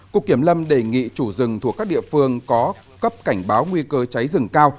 cục kiểm lâm đề nghị chủ rừng thuộc các địa phương có cấp cảnh báo nguy cơ cháy rừng cao